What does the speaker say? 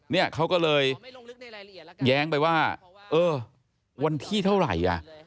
เนี่ยเขาก็เลยแย้งไปว่าเออวันที่เท่าไหร่อ่ะ